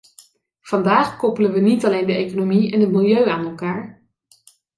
Vandaag koppelen we niet alleen de economie en het milieu aan elkaar.